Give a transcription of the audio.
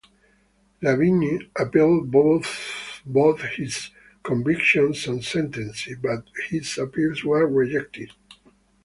Lavigne appealed both his convictions and sentences, but his appeals were rejected.